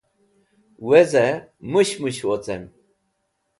Weze! Mushmush Wocen